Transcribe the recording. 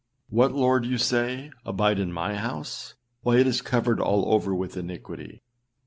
â âWhat, Lord!â you say, âabide in my house! why it is covered all over with iniquity.